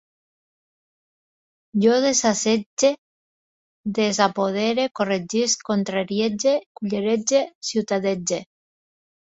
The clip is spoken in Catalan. Jo desassetge, desapodere, corregisc, contrariege, cullerege, ciutadege